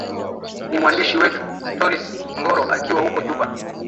ni mwandishi wetu tonnis ingoro akiwa huko juba